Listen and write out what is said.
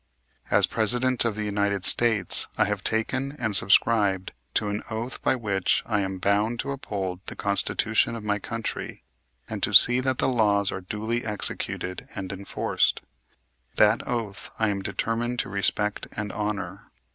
As President of the United States I have taken and subscribed to an oath by which I am bound to uphold the Constitution of my country, and to see that the laws are duly executed and enforced. That oath I am determined to respect and honor.